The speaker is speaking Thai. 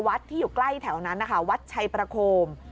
ที่อยู่ใกล้แถวนั้นนะคะวัดชัยประโคม